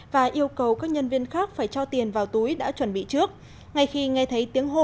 và yêu cầu các nhân viên khác phải cho tiền vào túi đã chuẩn bị trước ngay khi nghe thấy tiếng hô